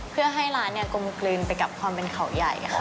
เพื่อให้ร้านกลมกลืนไปกับความเป็นเขาใหญ่ค่ะ